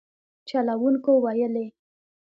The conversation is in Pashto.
چلوونکو ویلي